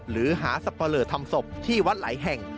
หรือหาสับปะเลอทำศพที่วัดหลายแห่ง